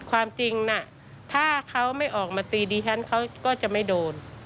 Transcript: ความจริงน่ะถ้าเขาไม่ออกมาตีดิฉันเขาก็จะไม่โดน